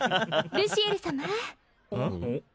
ルシエル様うん？